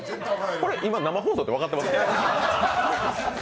これ、今、生放送って分かってますか？